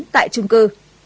tại chung cư